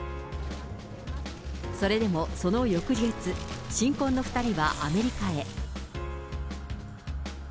それでもその翌月、新婚の２人はアメリカへ。